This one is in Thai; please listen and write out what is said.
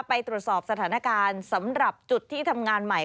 ไปตรวจสอบสถานการณ์สำหรับจุดที่ทำงานใหม่